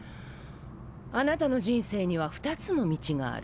貴方の人生には２つの道がある。